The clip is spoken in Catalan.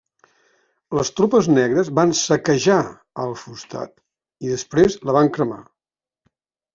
Les tropes negres van saquejar al-Fustat i després la van cremar.